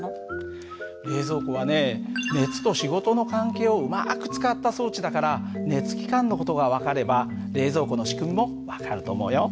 熱と仕事の関係をうまく使った装置だから熱機関の事が分かれば冷蔵庫の仕組みも分かると思うよ。